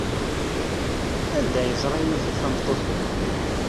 Anda ay yeẓra Yidir tameṭṭut-a?